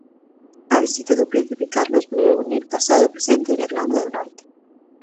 A visita do Príncipe Carlos volveu unir pasado e presente en Irlanda do Norte.